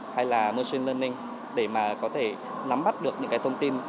hay là machine learning để mà có thể nắm bắt được những cái thông tin